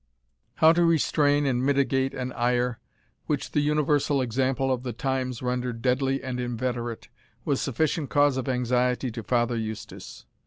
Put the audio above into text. How to restrain and mitigate an ire which the universal example of the times rendered deadly and inveterate, was sufficient cause of anxiety to Father Eustace.